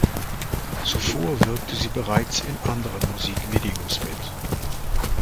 Zuvor wirkte sie bereits in anderen Musikvideos mit.